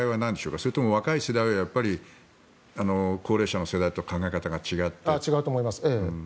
それとも若い世代は高齢者の世代と考え方が違うと思います。